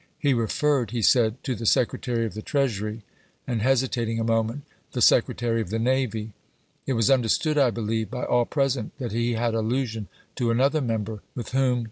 He referred, he said, to the Secretary of the Treasury and (hesitating a moment) the Secretary of the Navy. It was understood, I believe, by all present tliat he had allusion to another member, with whom he 1 Hay's Diary (MS.)